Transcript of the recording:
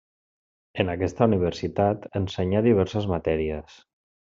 En aquesta universitat ensenyà diverses matèries.